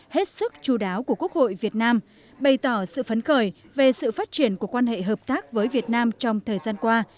hết sức chú đáo của quốc hội việt nam bày tỏ sự phấn khởi về sự phát triển của quan hệ hợp tác với việt nam trong thời gian qua